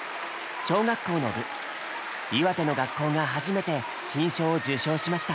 小学校の部岩手の学校が初めて金賞を受賞しました。